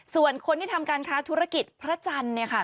ส่วนคนที่ทำการค้าธุรกิจพระจันทร์เนี่ยค่ะ